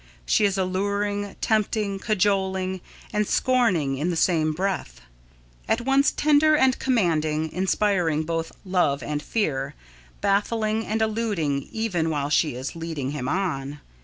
She is alluring, tempting, cajoling and scorning in the same breath; at once tender and commanding, inspiring both love and fear, baffling and eluding even while she is leading him on.